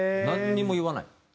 なんにも言わない。